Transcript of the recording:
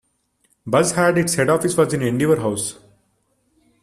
Buzz had its head office was in Endeavour House.